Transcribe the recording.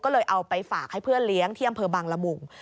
ก็เลยเอาไปฝากให้เพื่อนเลี้ยงที่อำเภอบางละมุง